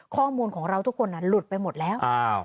ข้อมูลของเราทุกคนหลุดไปหมดแล้ว